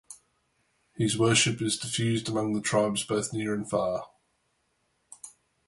His worship is diffused among the tribes both near and far.